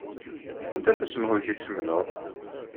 Anta tasemhuyt i tḥemmleḍ?